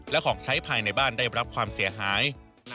และของใช้ภายในบ้านได้รับความเสียหาย